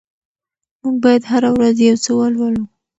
موږ بايد هره ورځ يو څه ولولو.